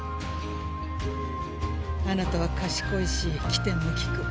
あなたは賢いし機転も利く。